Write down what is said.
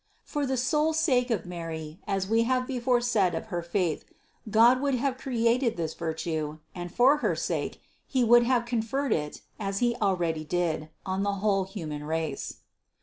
For the sole sake of Mary, as we have before said of her faith, God would have created this virtue, and for her sake He would have conferred it, as He really did, on the whole human race (No.